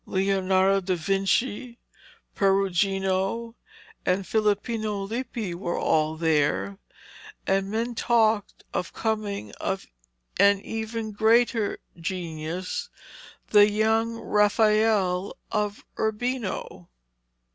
Leonardo da Vinci, Perugino, and Filippino Lippi were all there, and men talked of the coming of an even greater genius, the young Raphael of Urbino.